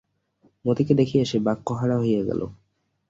মতিকে দেখিয়া সে বাক্যহারা হইয়া গেল।